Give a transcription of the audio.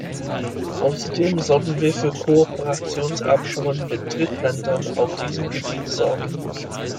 Außerdem sollten wir für Kooperationsabkommen mit Drittländern auf diesem Gebiet sorgen.